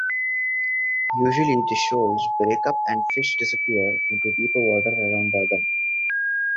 Usually the shoals break up and the fish disappear into deeper water around Durban.